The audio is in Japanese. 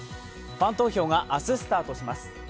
ファン投票が明日スタートします。